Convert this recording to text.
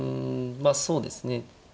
まあそうですね。